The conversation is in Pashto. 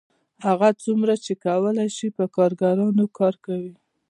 هغه څومره چې کولی شي په کارګرانو کار کوي